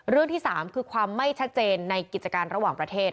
ที่๓คือความไม่ชัดเจนในกิจการระหว่างประเทศ